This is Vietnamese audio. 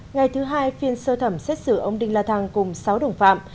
ngày thứ hai phiên sơ thẩm xét xử ông đinh la thăng cùng sáu đồng phạm